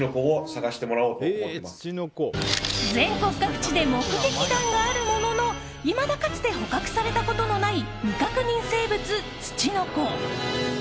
全国各地で目撃談があるもののいまだかつて捕獲されたことのない未確認生物つちのこ。